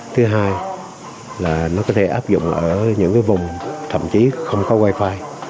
thứ hai là nó có thể áp dụng ở những vùng thậm chí không có wifi